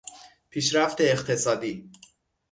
پیشرفت اقتصادی